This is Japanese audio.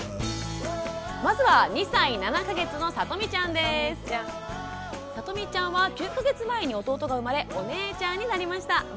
まずはさとみちゃんは９か月前に弟が生まれお姉ちゃんになりました。